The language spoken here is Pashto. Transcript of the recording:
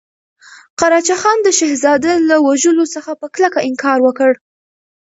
قراچه خان د شهزاده له وژلو څخه په کلکه انکار وکړ.